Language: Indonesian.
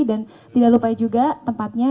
dan tidak lupa juga tempatnya